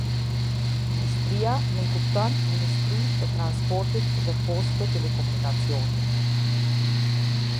Ministria nënkupton Ministrinë e Transportit dhe Postë Telekomunikacionit.